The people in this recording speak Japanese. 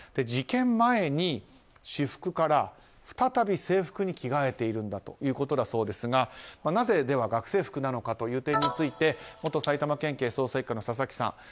事件前に私服から再び制服に着替えているんだということですがなぜ、では学生服なのかという点について元埼玉県捜査１課の佐々木さん。